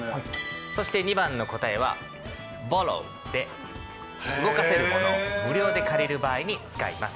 そして２番の答えは「ｂｏｒｒｏｗ」で動かせるものを無料で借りる場合に使います。